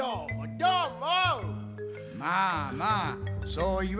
どーも。